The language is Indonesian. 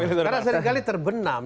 karena sering kali terbenam